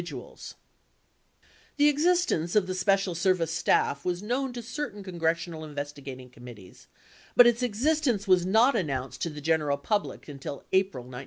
141 The existence of the Special Service Staff was known to certain Congressional investigating committees, but its existence was not an nounced to the general public until April 1972.